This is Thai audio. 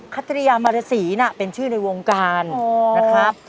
ัตริยามารสีน่ะเป็นชื่อในวงการนะครับ